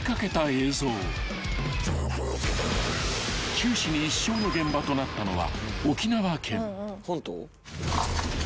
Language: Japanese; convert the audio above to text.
［九死に一生の現場となったのは］